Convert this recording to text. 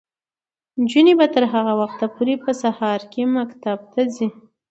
نجونې به تر هغه وخته پورې په سهار کې مکتب ته ځي.